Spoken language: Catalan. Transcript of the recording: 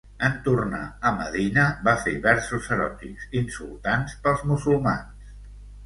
En tornar a Medina va fer versos eròtics insultants pels musulmans.